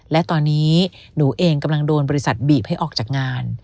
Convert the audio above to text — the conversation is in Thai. และตอนนี้หนูเองกำลังโดนบริษัทบีบให้ออกจากงาน